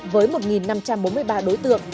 với một năm trăm bốn mươi ba đối tượng